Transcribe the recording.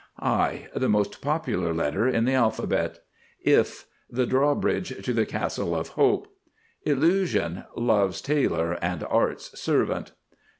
I. The most popular letter in the alphabet. IF. The drawbridge to the Castle of Hope. ILLUSION. Love's tailor and Art's servant.